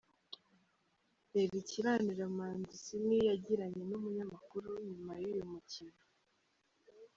Reba ikibaniro Mancini yagiranye n'umunyamkuru nyuma y'uyu mukino:.